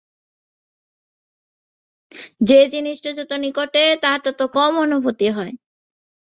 যে জিনিষটা যত নিকটে, তার তত কম অনুভূতি হয়।